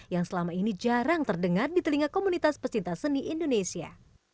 yang selama ini jarang terdengar di telinga komunitas pecinta seni indonesia